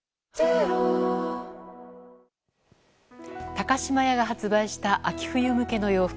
高島屋が発売した秋冬向けの洋服。